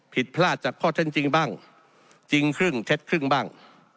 ผิดพลาดจากข้อเท็จจริงบ้างจริงครึ่งเท็จครึ่งบ้าง